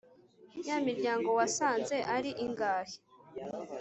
ya miryango wasanze ari ingahe’